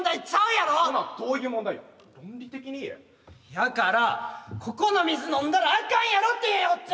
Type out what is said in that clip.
やからここの水飲んだらあかんやろって言うねんこっちは！